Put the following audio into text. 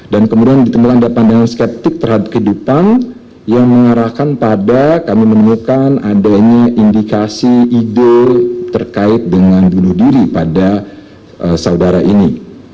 kemudian ditemukan ada pandangan skeptik terhadap kehidupan yang mengarahkan pada kami menemukan adanya indikasi ide terkait dengan bunuh diri pada saudara ini